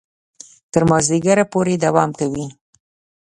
تر مازیګره پورې دوام کوي.